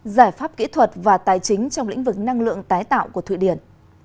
giải pháp kỹ thuật và tài chính trong lĩnh vực năng lượng tái tạo của thụy điển